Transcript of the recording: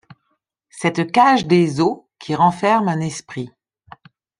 Cette cage des os qui renferme un esprit